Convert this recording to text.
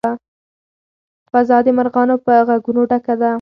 فضا د مرغانو په غږونو ډکه ده.